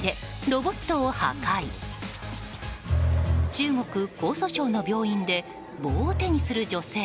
中国・江蘇省の病院で棒を手にする女性。